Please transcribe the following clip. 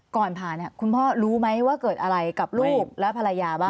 ก่อนผ่านคุณพ่อรู้ไหมว่าเกิดอะไรกับลูกและภรรยาบ้าง